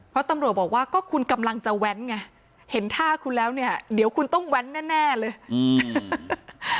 เพราะตำรวจบอกว่าก็คุณกำลังจะแว้นไงเห็นท่าคุณแล้วเนี่ยเดี๋ยวคุณต้องแว้นแน่แน่เลยอืม